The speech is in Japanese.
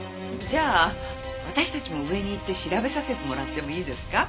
じゃあ私たちも上に行って調べさせてもらってもいいですか？